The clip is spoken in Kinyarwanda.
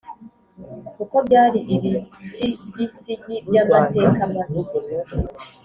kuko byari ibisigisigi by’amateka mabi